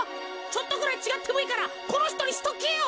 ちょっとぐらいちがってもいいからこのひとにしとけよ。